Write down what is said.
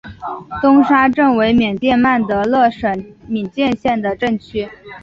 东沙镇为缅甸曼德勒省敏建县的镇区。